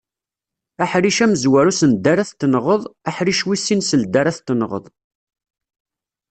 Aḥric amezwaru send ara t-tenɣeḍ, aḥric wis sin seld ara t-tenɣeḍ.